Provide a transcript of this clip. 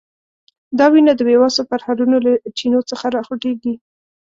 دا وینه د بیوسو پرهرونو له چینو څخه راخوټېږي.